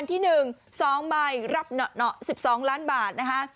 ที่๑๒ใบรับ๑๒ล้านบาทนะคะ